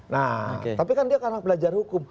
nah tapi kan dia karena belajar hukum